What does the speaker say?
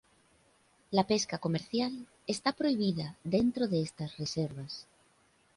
La pesca comercial está prohibida dentro de estas reservas.